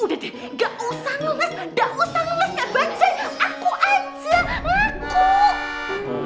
udah deh gak usah ngemes gak usah ngemes